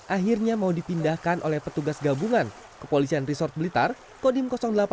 akhirnya mau dipindahkan oleh petugas gabungan kepolisian resort blitar kodim delapan